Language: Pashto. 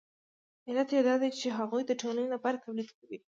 علت یې دا دی چې هغوی د ټولنې لپاره تولید کوي